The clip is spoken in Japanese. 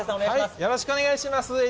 よろしくお願いします。